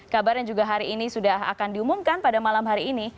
kabarnya juga hari ini sudah akan diumumkan pada malam hari ini